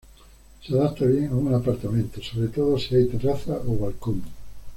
Se adapta bien a un apartamento, sobre todo si hay terraza o balcón.